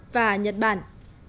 và nhật bản